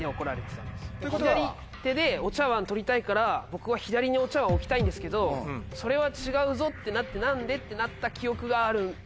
左手でお茶わん取りたいから僕は左にお茶わん置きたいんですけど「それは違うぞ」ってなって何で？ってなった記憶がある。